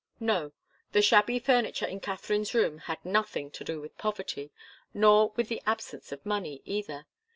No. The shabby furniture in Katharine's room had nothing to do with poverty, nor with the absence of money, either.